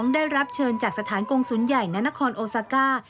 ได้รับเชิญจากสถานกงศูนย์ใหญ่นานครโอซาก้า